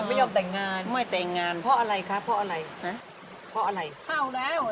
ไม่ยอมแต่งงานไม่แต่งงานพออะไรคะพออะไรพออะไรพอแล้ว